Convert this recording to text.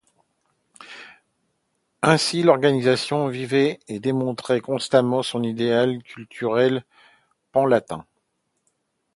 Ainsi l’organisation vivait et démontrait constamment son idéal culturel pan-latin.